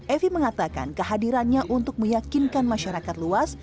evi mengatakan kehadirannya untuk meyakinkan masyarakat luas